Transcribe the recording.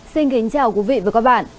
xin kính chào quý vị và các bạn